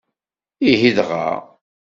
Ihi dɣa!